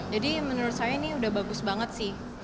jadi menurut saya ini udah bagus banget sih